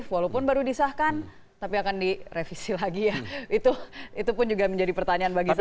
walaupun baru disahkan tapi akan direvisi lagi ya itu pun juga menjadi pertanyaan bagi saya